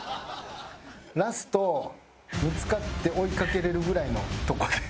ラスト見付かって追いかけられるぐらいのとこで。